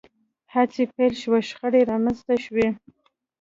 هڅې پیل شوې شخړې رامنځته شوې